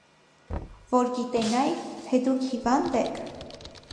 - Որ գիտենայի, թե դուք հիվանդ եք…